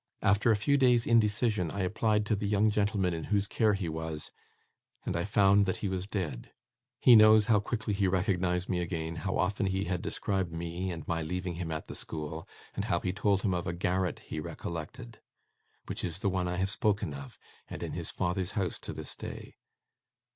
After a few days' indecision, I applied to the young gentleman in whose care he was, and I found that he was dead. He knows how quickly he recognised me again, how often he had described me and my leaving him at the school, and how he told him of a garret he recollected: which is the one I have spoken of, and in his father's house to this day.